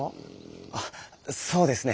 あっそうですね。